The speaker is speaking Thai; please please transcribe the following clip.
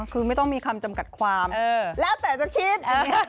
คือไม่ต้องมีคำจำกัดความแล้วแต่จะคิดอันนี้